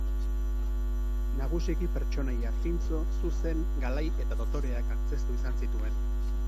Nagusiki pertsonaia zintzo, zuzen, galai eta dotoreak antzeztu izan zituen.